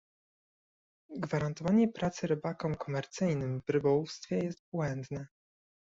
Gwarantowanie pracy rybakom komercyjnym w rybołówstwie jest błędne